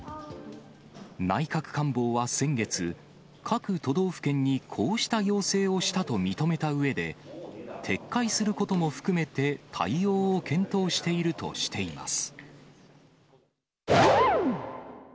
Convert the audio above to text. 内閣官房は先月、各都道府県にこうした要請をしたと認めたうえで、撤回することも含めて対応を検討しているとしています。